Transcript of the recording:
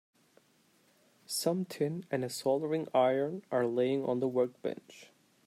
Some tin and a soldering iron are laying on the workbench.